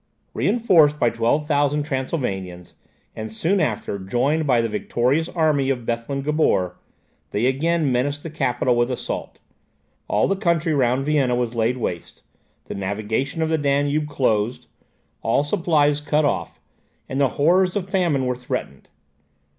Reinforced by twelve thousand Transylvanians, and soon after joined by the victorious army of Bethlen Gabor, they again menaced the capital with assault; all the country round Vienna was laid waste, the navigation of the Danube closed, all supplies cut off, and the horrors of famine were threatened.